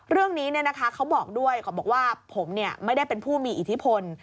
เรื่องนี้เขาบอกด้วยผมไม่ได้เป็นผู้มีอิทธิพล